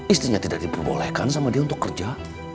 istrinya tidak diperbolehkan sama dia untuk kerja